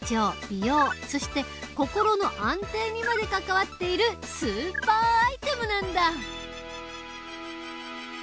美容そして心の安定にまで関わっているスーパーアイテムなんだ！